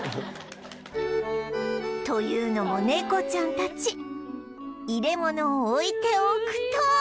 というのもネコちゃんたち入れ物を置いておくと